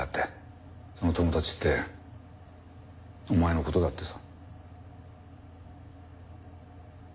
その友達ってお前の事だってさ。